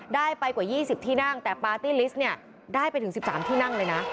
ได้ไปกว่า๒๐ที่นั่งแต่ปาร์ตี้ลิสต์เนี่ยได้ไปถึง๑๓ที่นั่งเลยนะ